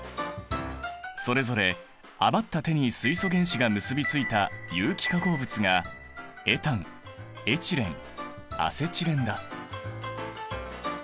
それぞれ余った手に水素原子が結び付いた有機化合物がエタンエチレンアセチレンだ。